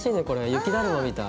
雪だるまみたい。